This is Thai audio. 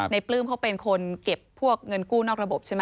ปลื้มเขาเป็นคนเก็บพวกเงินกู้นอกระบบใช่ไหม